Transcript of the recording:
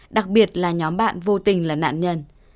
đặc biệt là nhóm bạn vô tình là nạn nhân